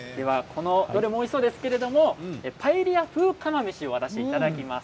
どれもおいしそうですけれども、パエリア風釜飯をいただきます。